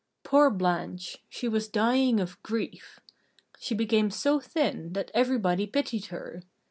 Poor Blanche! She was dying of grief. She became so thin that everybody pitied her.